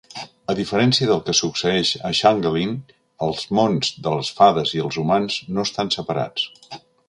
A diferència del que succeeix a Changeling, els mons de les fades i els humans no estan separats.